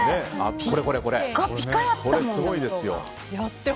これ、すごいですよ。